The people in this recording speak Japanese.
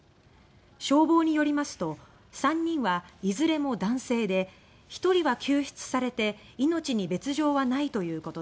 消防によりますと３人はいずれも男性で１人は救出されて命に別条はないということです。